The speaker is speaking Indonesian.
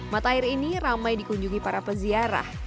mata air ini ramai dikunjungi para peziarah